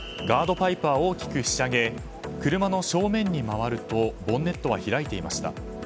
パイプは大きくひしゃげ車の正面に回るとボンネットは開いていました。